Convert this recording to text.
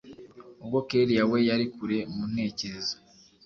ubwo kellia we yari kure muntekerezo